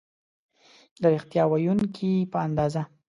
د ریښتیا ویونکي په اندازه